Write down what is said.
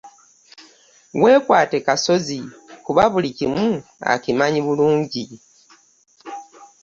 Weekwate Kasozi kuba buli kimu akimanyi bulungi.